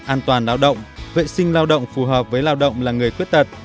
an toàn lao động vệ sinh lao động phù hợp với lao động là người khuyết tật